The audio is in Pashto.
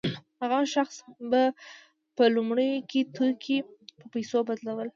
هغه شخص به په لومړیو کې توکي په پیسو بدلول